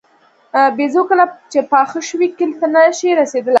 بېزو کله چې پاخه شوي کیلې ته نه شي رسېدلی.